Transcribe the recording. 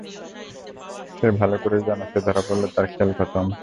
সেও ভালো করে জানে যে, সে ধরা পড়লে তার খেল খতম।